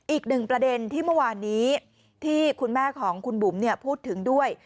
อีกหนึ่งประเด็นที่เมื่อวานนี้ที่คุณแม่ของคุณบุ๋มพูดถึงด้วย